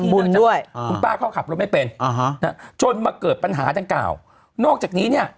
บุญด้วยคุณป้าเขาขับรถไม่เป็นอ่าฮะจนมาเกิดปัญหาดังกล่าวนอกจากนี้เนี่ย